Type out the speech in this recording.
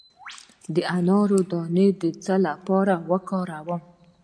د انار دانه د څه لپاره وکاروم؟